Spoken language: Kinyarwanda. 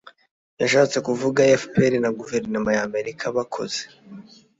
yashatse kuvuga. fpr na guverinoma y'amerika bakoze